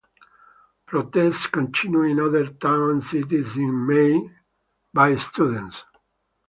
Protests continued in other towns and cities in May by students.